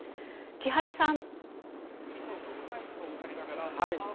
木原さん。